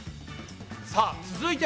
さあ続いてはす